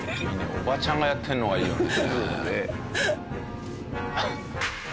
おばちゃんがやってるのがいいよね。